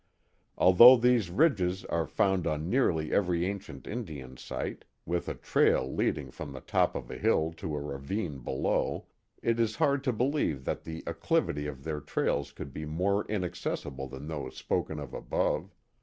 Although these ridges are found on nearly every ancient Indian site, with a trail leading from the top of a hill to a ravine below, it is hard to believe that the acclivity of their trails could be more inac cessible than those spoken of above.